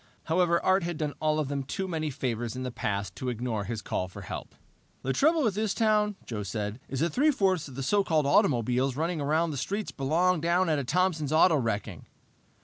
However Art had done all of them too many favors in the past to ignore his call for help. "The trouble with this town," Joe said, "is that three fourths of the so called automobiles running around the streets belong down at Thompson's Auto Wrecking."